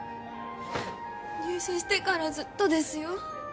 入社してからずっとですよ